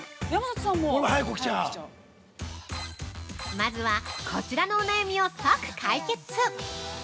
◆まずは、こちらのお悩みを即解決。